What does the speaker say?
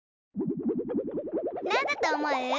なんだとおもう？